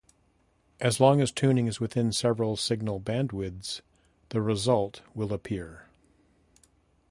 As long as tuning is within several signal bandwidths, the result will appear.